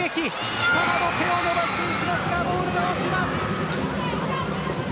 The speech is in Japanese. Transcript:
北窓、手を伸ばしていきますがボールが落ちます。